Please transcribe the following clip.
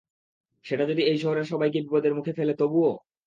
সেটা যদি এই শহরের সবাইকে বিপদের মুখে ফেলে তবুও?